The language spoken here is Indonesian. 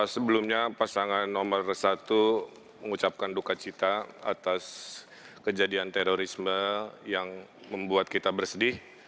sebelumnya pasangan nomor satu mengucapkan duka cita atas kejadian terorisme yang membuat kita bersedih